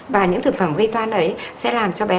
và những thực phẩm gây toan ấy sẽ làm cho bé